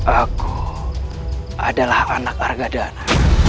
aku adalah anak argadana